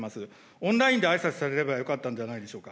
オンラインであいさつされればよかったんじゃないでしょうか。